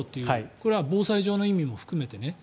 これは防災上の意味も含めてね。